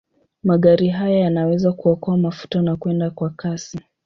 Magari haya yanaweza kuokoa mafuta na kwenda kwa kasi.